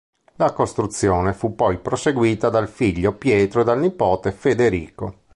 La costruzione fu poi proseguita dal figlio Pietro e dal nipote Federico.